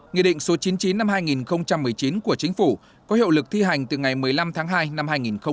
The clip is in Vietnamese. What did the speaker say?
nghị định số chín mươi chín năm hai nghìn một mươi chín của chính phủ có hiệu lực thi hành từ ngày một mươi năm tháng hai năm hai nghìn hai mươi